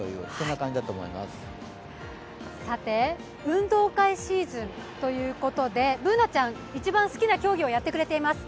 運動会シーズンということで、Ｂｏｏｎａちゃん、一番好きな競技をやってくれています。